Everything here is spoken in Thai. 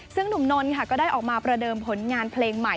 ซึ่งหนุ่มนนท์ค่ะก็ได้ออกมาประเดิมผลงานเพลงใหม่